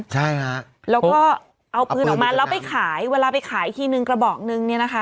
ใช่ค่ะแล้วก็เอาปืนออกมาแล้วไปขายเวลาไปขายทีนึงกระบอกนึงเนี่ยนะคะ